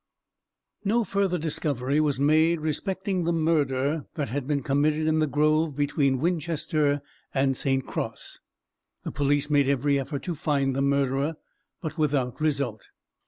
No further discovery was made respecting the murder that had been committed in the grove between Winchester and St. Cross. The police made every effort to find the murderer, but without result.